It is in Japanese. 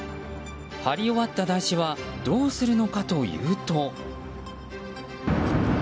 貼り終わった台紙はどうするのかというと。